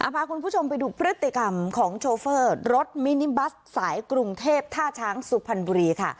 พาคุณผู้ชมไปดูพฤติกรรมของโชเฟอร์รถมินิบัสสายกรุงเทพท่าช้างสุพรรณบุรีค่ะ